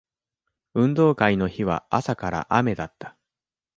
運動会の日は朝から雨だった